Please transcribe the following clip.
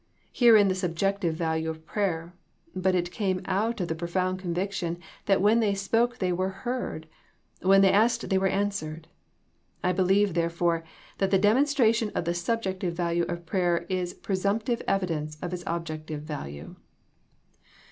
Herein the sub jective value of prayer, but it came out of pro found conviction that when they spoke they were heard, when they asked they were answered. I believe therefore that the demonstration of the subjective value of prayer is presumptive evidence of its objective value.